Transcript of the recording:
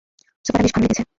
সোফাটা বেশ ভালো লেগেছে।